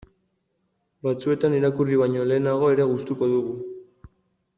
Batzuetan irakurri baino lehenago ere gustuko dugu.